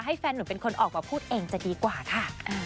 แฟนหนุ่มเป็นคนออกมาพูดเองจะดีกว่าค่ะ